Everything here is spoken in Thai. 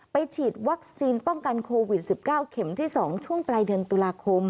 ฉีดวัคซีนป้องกันโควิด๑๙เข็มที่๒ช่วงปลายเดือนตุลาคม